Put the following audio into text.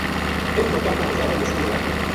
اِن لوکاں کو گُزارو مشکل ہوئے